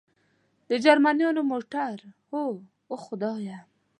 د جرمنیانو موټر؟ هو، اوه خدایه.